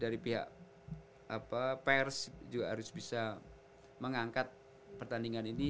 dari pihak pers juga harus bisa mengangkat pertandingan ini